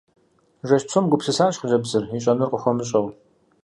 Жэщ псом гупсысащ хъыджэбзыр, ищӀэнур къыхуэмыщӀэу.